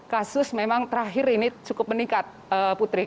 kasus memang terakhir ini cukup meningkat putri